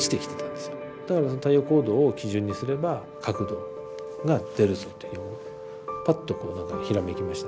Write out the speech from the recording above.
太陽高度を基準にすれば角度が出るぞというぱっとこう何かひらめきました。